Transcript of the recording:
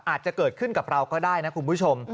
อาจจะเกิดขึ้นกับเราก็ได้นะคุณผู้ชม